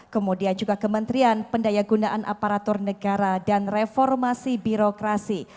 kemudian juga kementerian pendayagunaan aparatur negara dan reformasi birokrasi